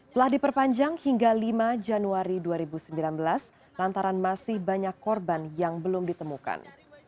telah diperpanjang hingga lima januari dua ribu sembilan belas lantaran masih banyak korban yang belum ditemukan